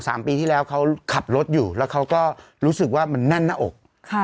สามปีที่แล้วเขาขับรถอยู่แล้วเขาก็รู้สึกว่ามันแน่นหน้าอกค่ะ